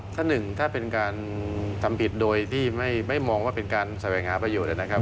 ถ้าหนึ่งถ้าเป็นการทำผิดโดยที่ไม่มองว่าเป็นการแสวงหาประโยชน์นะครับ